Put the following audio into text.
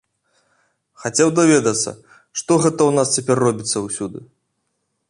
Хацеў даведацца, што гэта ў нас цяпер робіцца ўсюды?